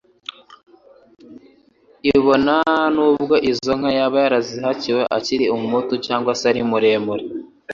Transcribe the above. i (bona n'ubwo izo nka yaba yarazihakiwe akiri umuhutu cyangwa se ari muremure),